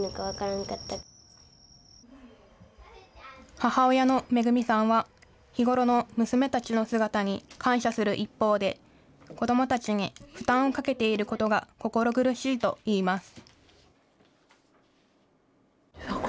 母親の恵さんは、日頃の娘たちの姿に感謝する一方で、子どもたちに負担をかけていることが心苦しいといいます。